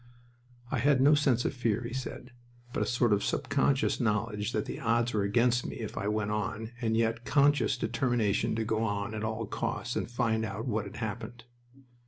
"I had no sense of fear," he said, "but a sort of subconscious knowledge that the odds were against me if I went on, and yet a conscious determination to go on at all costs and find out what had happened."